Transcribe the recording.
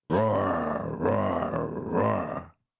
Roar! Roar! Roar!"